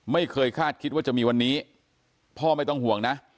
ไม่เคยคาดคิดว่าจะมีวันนี้พ่อไม่ต้องห่วงนะ